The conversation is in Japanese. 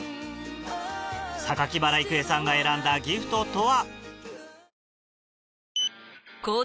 榊原郁恵さんが選んだギフトとは？